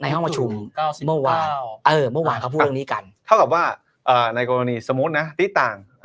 ในห้องความความคิดเมื่อวานเขาพูดเรื่องนี้กันเท่ากับว่าในกรณีสมมุตินะติ๊กต่าง